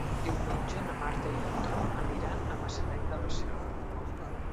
Diumenge na Marta i en Tom aniran a Maçanet de la Selva.